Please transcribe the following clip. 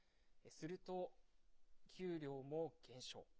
すると、給料も減少。